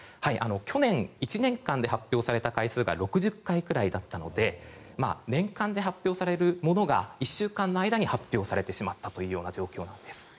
去年１年間で発表された回数が６０回くらいだったので年間で発表されるものが１週間の間で発表されてしまったという状況なんです。